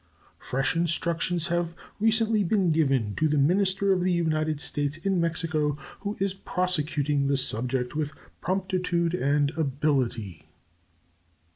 Fresh instructions have recently been given to the minister of the United States in Mexico, who is prosecuting the subject with promptitude and ability.